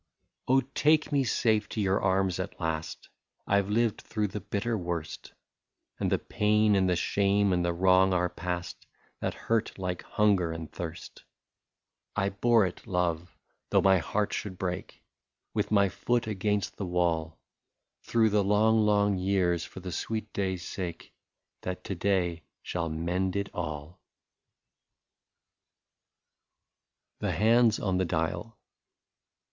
Oh ! take me safe to your arms at last, — I 've lived through the bitter worst ; And the pain and the shame and the wrong are past, That hurt like hunger and thirst. I bore it, love, though my heart should break, With my foot against the wall, Through the long long years, for the sweet day's sake, That to day shall mend it all. Ill THE HANDS OF THE DIAL.